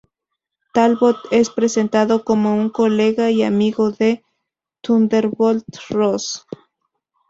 Talbot es presentado como un colega y amigo del Thunderbolt Ross.